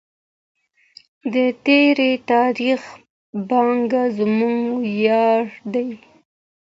د تېر تاریخ پانګه زموږ ویاړ دی.